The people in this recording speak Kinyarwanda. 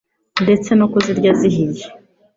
ndetse no kuzirya zihiye,